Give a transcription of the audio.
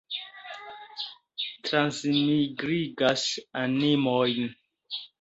Transmigrigas animojn.